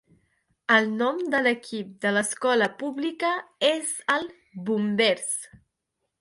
El nom de l'equip de l'escola pública és els Bombers.